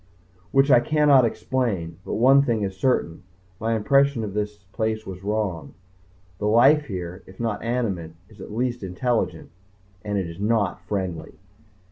which I cannot explain. But one thing is certain. My first impression of this place was wrong. The life here, if not animate, is at least intelligent and it is not friendly.